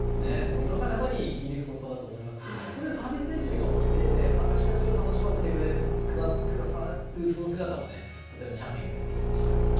いろんな方に響くことばだと思いますけれども、本当にサービス精神が旺盛で、私たちを楽しませてくださる姿もとてもチャーミングですてきでした。